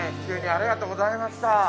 急にありがとうございました。